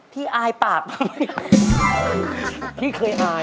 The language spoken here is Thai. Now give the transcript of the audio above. พี่อายปาก